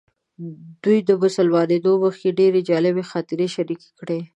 دوی د مسلمانېدو مخکې ډېرې جالبې خاطرې شریکې کړې.